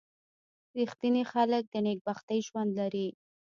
• رښتیني خلک د نېکبختۍ ژوند لري.